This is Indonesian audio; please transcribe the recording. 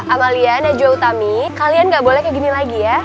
amalia najwa utami kalian gak boleh kayak gini lagi ya